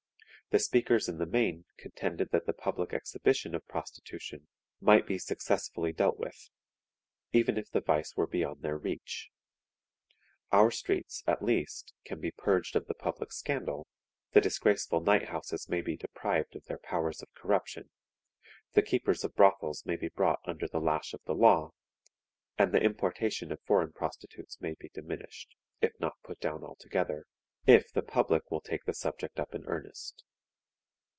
The speakers in the main contended that the public exhibition of prostitution might be successfully dealt with, even if the vice were beyond their reach. Our streets, at least, can be purged of the public scandal, the disgraceful night houses may be deprived of their powers of corruption, the keepers of brothels may be brought under the lash of the law, and the importation of foreign prostitutes may be diminished, if not put down altogether, if the public will take the subject up in earnest.